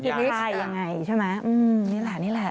ก็แสดงว่าเธอไพร์ยังไงใช่ไหมนี่แหละนี่แหละ